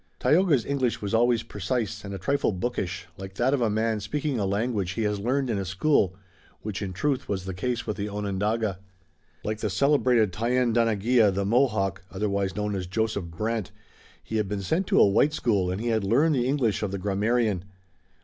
Tayoga's English was always precise and a trifle bookish, like that of a man speaking a language he has learned in a school, which in truth was the case with the Onondaga. Like the celebrated Thayendanegea, the Mohawk, otherwise known as Joseph Brant, he had been sent to a white school and he had learned the English of the grammarian.